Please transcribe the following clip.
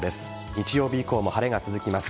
日曜日以降も晴れが続きます。